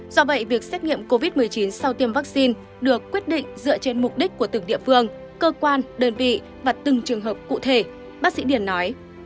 do vậy việc xét nghiệm covid một mươi chín sau tiêm vaccine được quyết định dựa trên mục đích của từng địa phương cơ quan đơn vị và từng trường hợp cụ thể bác sĩ điển nói